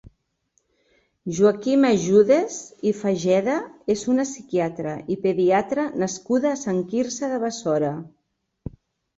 Joaquima Júdez i Fageda és una psiquiatra i pediatra nascuda a Sant Quirze de Besora.